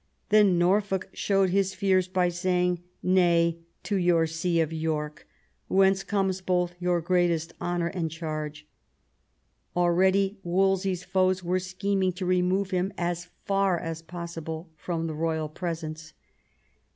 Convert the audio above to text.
Then Norfolk showed his fears by saying, "Nay, to your see of York, whence comes both your greatest honour and charge." Already Wolsey's foes were scheming to remove him as far as possible from the royal presence.